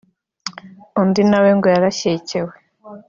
Undi nawe ngo yarashyekewe